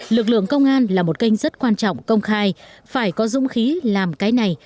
lực lượng công an là một kênh rất quan trọng công khai phải có dũng khí làm cái này